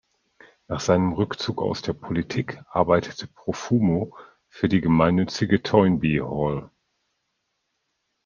Nach seinem Rückzug aus der Politik arbeitete Profumo für die gemeinnützige Toynbee Hall.